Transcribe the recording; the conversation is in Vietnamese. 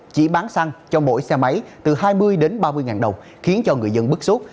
chỉ bán xăng cho mỗi xe máy từ hai mươi đến ba mươi ngàn đồng khiến cho người dân bức xúc